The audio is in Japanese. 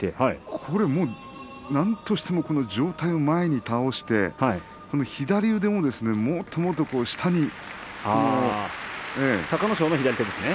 これを何としても上体を前に倒して左腕も、もっともっと下に。